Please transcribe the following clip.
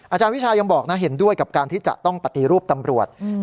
อาจารย์วิชายังบอกนะเห็นด้วยกับการที่จะต้องปฏิรูปตำรวจ